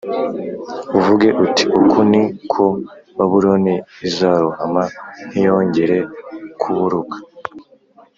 uvuge uti uku ni ko Babuloni izarohama ntiyongere kuburuka